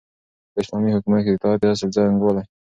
په اسلامي حکومت کي د اطاعت د اصل څرنګوالی